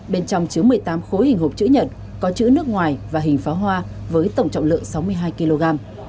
bên trong chứa một mươi tám khối hình hộp chữ nhật có chữ nước ngoài và hình pháo hoa với tổng trọng lượng sáu mươi hai kg